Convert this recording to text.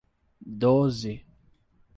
Doze